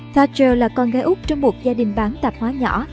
thatcher là con gái úc trong một gia đình bán tạp hóa nhỏ